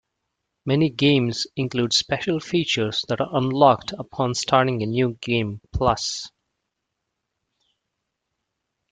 Many games include special features that are unlocked upon starting a New Game Plus.